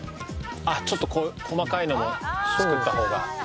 ちょっと細かいのも作った方が？